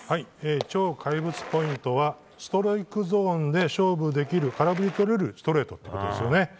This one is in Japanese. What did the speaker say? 超怪物ポイントはストライクゾーンで勝負できる、空振りをとれるストレートですよね。